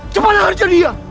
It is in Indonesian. cepatlah harjan dia